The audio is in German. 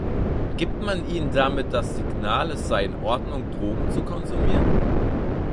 Gibt man ihnen damit das Signal, es sei in Ordnung, Drogen zu konsumieren?